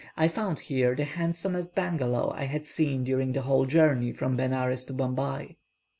I found here the handsomest bungalow I had seen during the whole journey from Benares to Bombay.